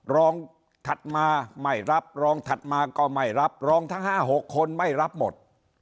ถัดมาไม่รับรองถัดมาก็ไม่รับรองทั้ง๕๖คนไม่รับหมด